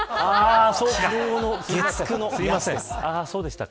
昨日の月９のやつ。